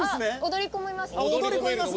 踊り子もいます。